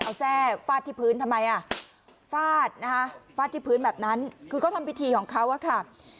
เอาแทร่ฟาดที่พื้นทำไมอ่ะฟาดนะคะฟาดที่พื้นแบบนั้นคือเขาทำพิธีของเขาอะค่ะ